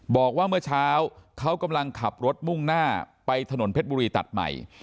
บอกว่าเมื่อเช้าเขากำลังขับรถมุ่งหน้าไปถนนเพชรบุรีตัดใหม่